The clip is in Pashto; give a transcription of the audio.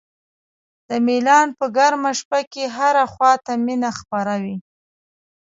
د میلان په ګرمه شپه کې هره خوا ته مینه خپره وي.